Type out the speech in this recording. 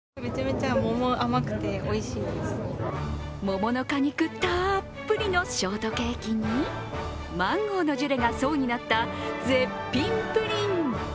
桃の果肉たっぷりのショートケーキにマンゴーのジュレが層になった絶品プリン。